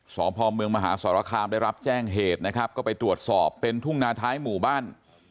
สพเมืองมหาสรคามได้รับแจ้งเหตุนะครับก็ไปตรวจสอบเป็นทุ่งนาท้ายหมู่บ้าน